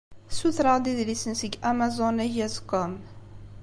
Ssutreɣ-d idlisen seg Amazon.com.